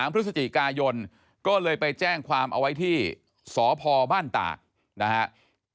พฤศจิกายนก็เลยไปแจ้งความเอาไว้ที่สพบ้านตากนะครับ